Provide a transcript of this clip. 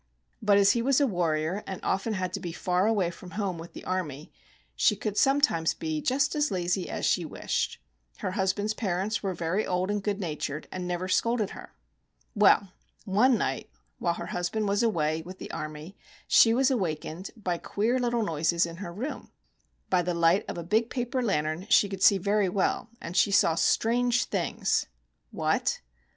But as he was a warrior, and often had to be far away from home with the army, she could sometimes be just as lazy as she wished. Her husband's parents were very old and good natured, and never scolded her. Well, one night while her husband was away with the army, she was awakened by queer little noises in her room. By the light of a big paper lantern she could see very well; and she saw strange things. What?